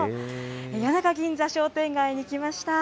谷中銀座商店街に来ました。